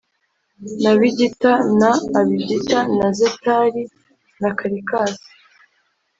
na Bigita na Abagita na Zetari na Karikas